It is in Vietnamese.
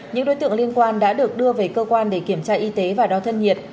những đối tượng liên quan đã được đưa về cơ quan để kiểm tra y tế và đo thân nhiệt